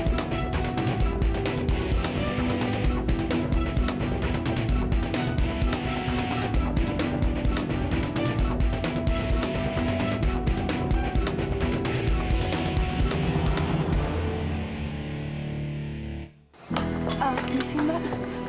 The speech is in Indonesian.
mas lihat anak kecil nggak